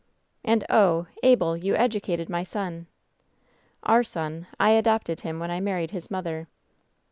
"And oh! Abel, you educated my son!" "Our son. I adopted him when I married his mother."